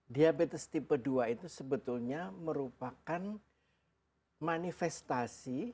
diabetes tipe dua itu sebetulnya merupakan manifestasi